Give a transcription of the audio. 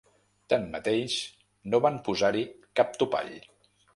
Tanmateix, no van posar-hi cap topall.